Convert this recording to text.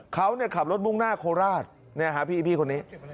เขาขับรถมุ่งหน้าโคราชพี่คนนี้